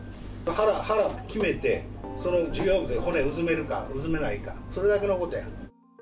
腹決めて、その事業部で骨うずめるかうずめないか、それだけのことや。